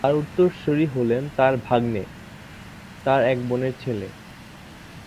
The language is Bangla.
তার উত্তরসূরী হলেন তার ভাগ্নে, তার এক বোনের ছেলে।